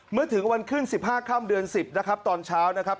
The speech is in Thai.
เมื่อถึงวันขึ้น๑๕ค่ำเดือน๑๐นะครับตอนเช้านะครับ